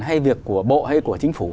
hay việc của bộ hay của chính phủ